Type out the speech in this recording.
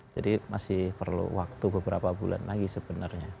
jadi masih perlu waktu beberapa bulan lagi sebenarnya